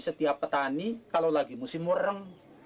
setiap petani kalau lagi musim murem